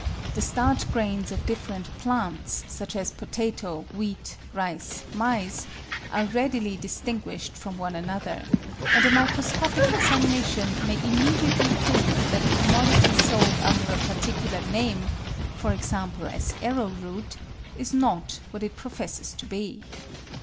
The starch grains of different plants, such as potato, wheat, rice, maize, are readily distinguished from one another, and a microscopic examination may immediately prove that a commodity sold under a particular name, e.g. as arrowroot, is not what it professes to be.